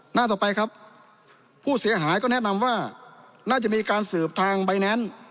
หน้าต่อไปครับผู้เสียหายก็แนะนำว่าน่าจะมีการสืบทางใบแนนซ์